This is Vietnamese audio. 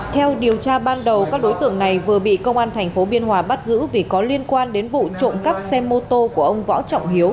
theo điều tra ban đầu các đối tượng này vừa bị công an tp biên hòa bắt giữ vì có liên quan đến vụ trộm cắp xe mô tô của ông võ trọng hiếu